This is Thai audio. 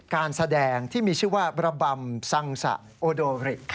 การแสดงที่มีชื่อว่าระบำซังสะโอโดริ